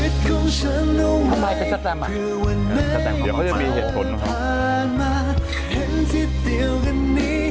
ทำไมเป็นสแตม